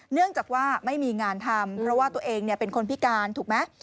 เนื่องจากว่าไม่มีงานทำเพราะว่าตัวเองเป็นคนพิการถูกไหม